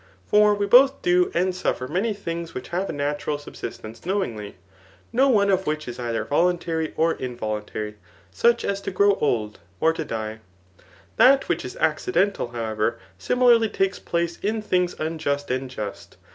For we both do and suffer many things which have a natural subsistence knowingly, no one of which is either voluntary or involuntary ; such as to grow old, or to die. That which is accidental, how* ever, ^milarly takes place in things unjust and just.